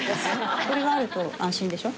これがあると安心でしょ。